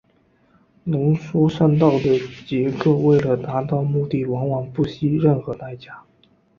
能说善道的杰克为了达到目的往往不惜任何代价。